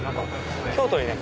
京都にね